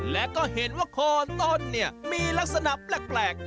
และก็เห็นว่าคอต้นเนี่ยมีลักษณะแปลก